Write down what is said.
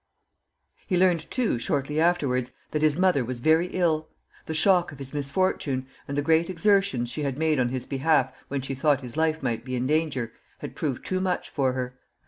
He learned too, shortly afterwards, that his mother was very ill. The shock of his misfortune, and the great exertions she had made on his behalf when she thought his life might be in danger, had proved too much for her.